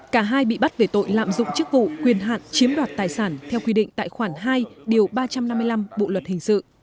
cả hai bị bắt về tội lạm dụng chức vụ quyền hạn chiếm đoạt tài sản theo quy định tại khoản hai điều ba trăm năm mươi năm bộ luật hình sự